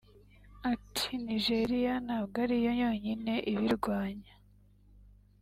Ati “Nigeria ntabwo ariyo yonyine ibirwanya